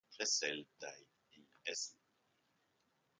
Dressel died in Essen.